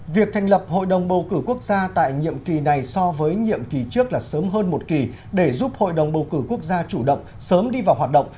việc thành lập hội đồng bầu cử quốc gia tại nhiệm kỳ này so với nhiệm kỳ trước là sớm hơn một kỳ để giúp hội đồng bầu cử quốc gia chủ động sớm đi vào hoạt động